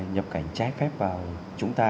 nhập cảnh trái phép vào chúng ta